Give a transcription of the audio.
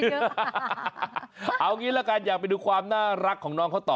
เอางี้ละกันอยากไปดูความน่ารักของน้องเขาต่อ